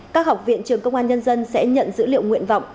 các học viện trường công an nhân dân sẽ nhận dữ liệu nguyện vọng